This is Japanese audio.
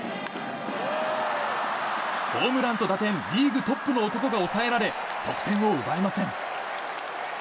ホームランと打点リーグトップの男が抑えられ得点を奪えません。